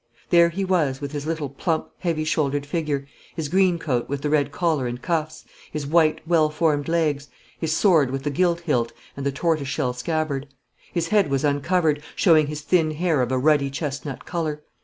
There he was, with his little plump, heavy shouldered figure, his green coat with the red collar and cuffs, his white, well formed legs, his sword with the gilt hilt and the tortoise shell scabbard. His head was uncovered, showing his thin hair of a ruddy chestnut colour.